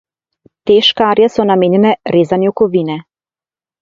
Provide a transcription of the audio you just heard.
Te škarje so namenjene rezanju kovine.